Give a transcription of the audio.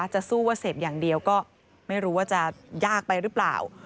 จะสู้ว่าเสพอย่างเดียวก็ไม่รู้ว่าจะยากไปหรือเปล่า